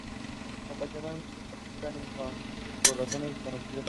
Ocasionalmente, practican infanticidio por razones desconocidas.